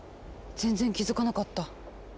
全然気付かなかった。